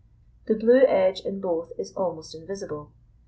The blue edge in both is almost invisible.